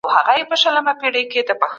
دا الهي وعده ده، چي حزب الله به بريالی وي